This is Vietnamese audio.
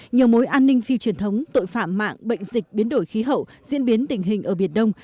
nhiều mối an ninh phi truyền thống tội phạm mạng bệnh dịch biến đổi khí hậu diễn biến tình hình ở biển đông